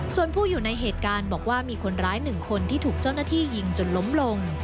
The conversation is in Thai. ส่วนผู้อยู่ในเหตุการณ์บอกว่ามีคนร้าย๑คนที่ถูกเจ้าหน้าที่ยิงจนล้มลง